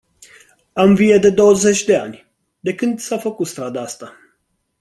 Am vie de douăzeci de ani, de când s-a făcut strada asta.